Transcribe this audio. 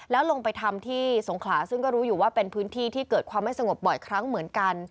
แล้วลงไปทำที่สงขลาซึ่งก็รู้อยู่ว่าเป็นพื้นที่ที่เกิดความไม่สงบบ่อยครั้งเหมือนกัน